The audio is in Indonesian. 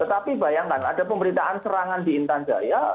tetapi bayangkan ada pemberitaan serangan di intan jaya